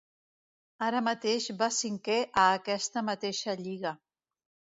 Ara mateix va cinquè a aquesta mateixa lliga.